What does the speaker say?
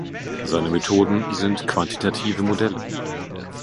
Seine Methoden sind quantitative Modelle.